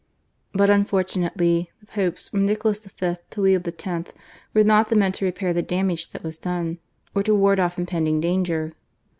But unfortunately the Popes from Nicholas V. to Leo X. were not the men to repair the damage that was done, or to ward off impending danger.